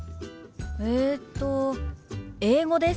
えっと英語です。